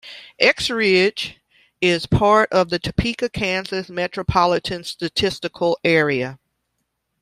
Eskridge is part of the Topeka, Kansas Metropolitan Statistical Area.